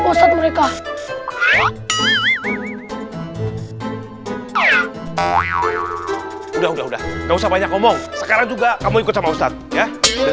udah udah udah nggak usah banyak ngomong sekarang juga kamu ikut sama ustadz ya